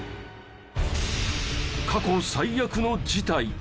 過去最悪の事態